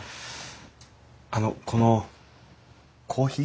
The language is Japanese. あのこのコーヒーセット。